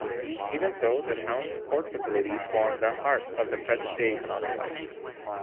Even so, the town's port facilities form the heart of the present-day economic life.